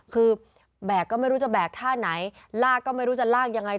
คือแบกก็ไม่รู้จะแบกท่าไหนลากก็ไม่รู้จะลากยังไง